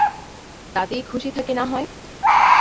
তাতেই খুশি থাকি না হয়।